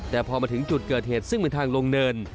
แต่พอมาถึงจุดเกิดเหตุซึ่งเป็นทางลงเนิน